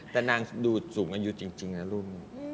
แต่นางดูสูงอายุจริงนะรุ่น